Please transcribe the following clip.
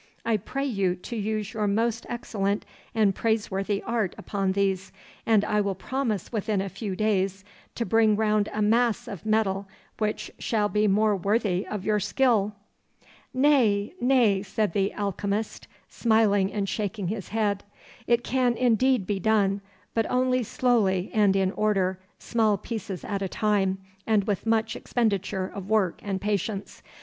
I pray you to use your most excellent and praiseworthy art upon these, and I will promise within a few days to bring round a mass of metal which shall be more worthy of your skill.' 'Nay, nay,' said the alchemist, smiling and shaking his head. 'It can indeed be done, but only slowly and in order, small pieces at a time, and with much expenditure of work and patience.